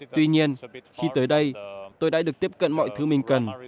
tuy nhiên khi tới đây tôi đã được tiếp cận mọi thứ mình cần